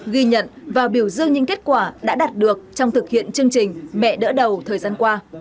ghi nhận và biểu dương những kết quả đã đạt được trong thực hiện chương trình mẹ đỡ đầu thời gian qua